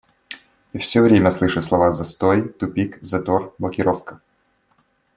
Я все время слышу слова "застой", "тупик", "затор", "блокировка".